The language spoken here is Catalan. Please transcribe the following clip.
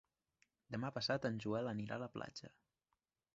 Demà passat en Joel anirà a la platja.